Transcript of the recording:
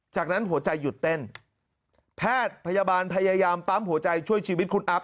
จากนั้นหัวใจหยุดเต้นแพทย์พยาบาลพยายามปั๊มหัวใจช่วยชีวิตคุณอัพ